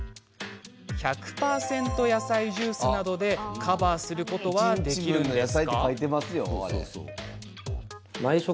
１００％野菜ジュースなどでカバーすることはできるんですか？